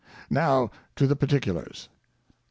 Now to the particulars. I.